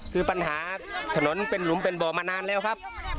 คือปัญหาถนนเป็นหลุมเป็นบ่อมานานแล้วครับ